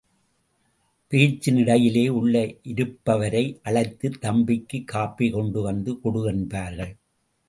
பேச்சின் இடையிலே, உள்ளே இருப்பவரை அழைத்து, தம்பிக்குக் காஃபி கொண்டு வந்து கொடு என்பார்கள்.